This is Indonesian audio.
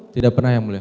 tidak pernah yang boleh